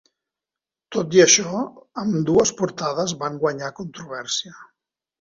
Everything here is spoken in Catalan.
Tot i això, ambdues portades van guanyar controvèrsia.